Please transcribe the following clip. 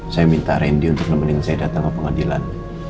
saya minta rendy untuk lemeneng saya datang ke pengadilan